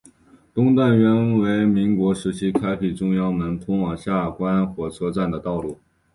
东段原为民国时期开辟中央门通往下关火车站的道路。